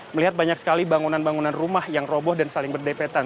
melihat banyak sekali bangunan bangunan rumah yang roboh dan saling berdepetan